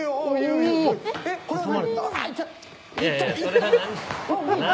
これは何？